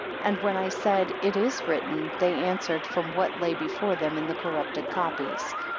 And when I said, It is written; they answered from what lay before them in the corrupted copies.